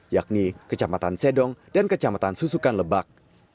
yakni kecamatan sedong dan kecamatan susukan lebak